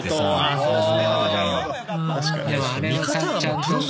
そうです。